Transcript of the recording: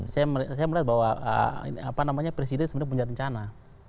saya melihat bahwa presiden sebenarnya punya rencana